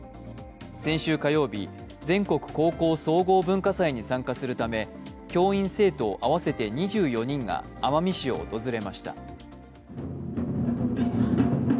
先週火曜日、全国高校総合文化祭に参加するため教員、生徒合わせて２４人が奄美市を訪れました。